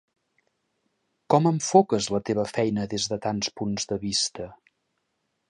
Com enfoques la teva feina des de tants punts de vista?